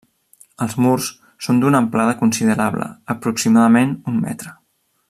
Els murs són d'una amplada considerable, aproximadament un metre.